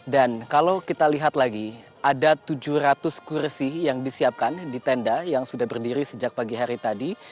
dan kalau kita lihat lagi ada tujuh ratus kursi yang disiapkan di tenda yang sudah berdiri sejak pagi hari tadi